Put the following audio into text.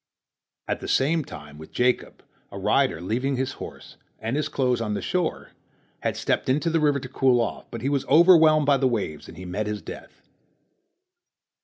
At the same time with Jacob, a rider, leaving his horse and his clothes on the shore, had stepped into the river to cool off, but he was overwhelmed by the waves, and he met his death.